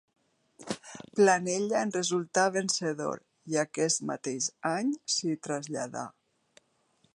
Planella en resultà vencedor, i aquest mateix any s'hi traslladà.